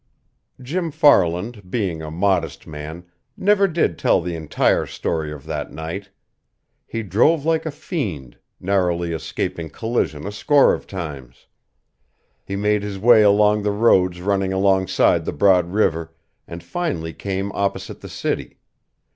Jim Farland, being a modest man, never did tell the entire story of that night. He drove like a fiend, narrowly escaping collision a score of times. He made his way along the roads running alongside the broad river, and finally came opposite the city.